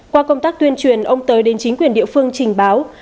qua công tác tuyên truyền ông tới đến chính quyền địa phương trình báo